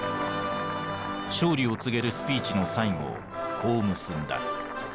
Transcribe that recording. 勝利を告げるスピーチの最後をこう結んだ。